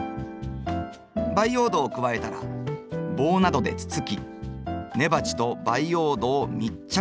培養土を加えたら棒などでつつき根鉢と培養土を密着させましょう。